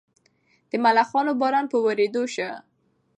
د ملخانو باران په ورېدو شو.